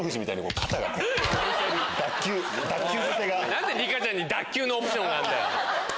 何でリカちゃんに脱臼のオプションがあるんだよ！